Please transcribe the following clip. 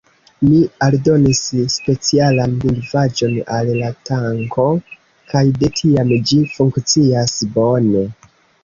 Mi aldonis specialan likvaĵon al la tanko, kaj de tiam ĝi funkcias bone.